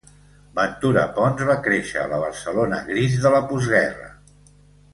Ventura Pons va créixer a la Barcelona gris de la postguerra.